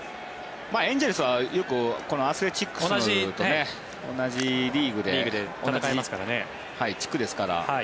エンゼルスはよくアスレチックスと同じリーグ、地区ですから。